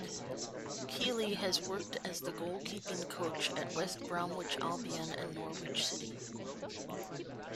Kiely has worked as the goalkeeping coach at West Bromwich Albion and Norwich City.